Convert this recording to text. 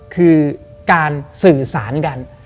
คือการสื่อสารกัน